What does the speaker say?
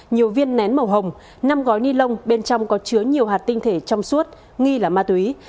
nhiều viên nén màu hồng năm gói ni lông bên trong có chứa nhiều hạt tinh thể trong suốt nghi là ma túy